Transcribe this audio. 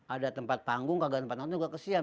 ada tempat panggung kagak ada tempat nonton juga kesian